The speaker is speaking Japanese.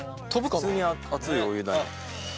普通に熱いお湯だ。